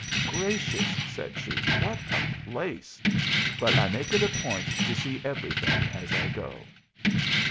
"Gracious!" said she, "what a place! But I make it a point to see everything as I go."